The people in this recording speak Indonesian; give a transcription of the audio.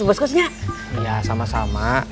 apakah itu i caviera